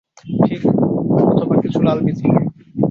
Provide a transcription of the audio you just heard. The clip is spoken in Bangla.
ঠিক - অথবা কিছু লাল বিচি।